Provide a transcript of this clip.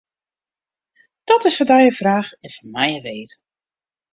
Dat is foar dy in fraach en foar my in weet.